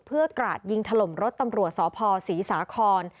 เพื่อกราดยิงถล่มรถตำรวจสพศรีสาคร